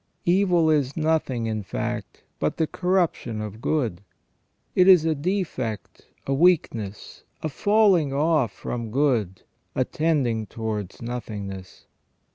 Evil is nothing, in fact, but the corruption of good. It is a defect, a weakness, a falling off from good, a tending towards nothingness.